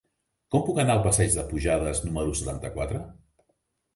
Com puc anar al passeig de Pujades número setanta-quatre?